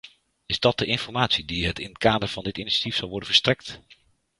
Is dat de informatie die in het kader van dit initiatief zal worden verstrekt?